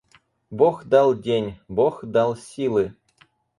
Бог дал день, Бог дал силы.